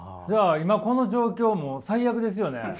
じゃあ今この状況もう最悪ですよね？